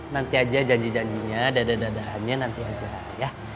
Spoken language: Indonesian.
nanti aja janji janjinya dadah dadahannya nanti aja ya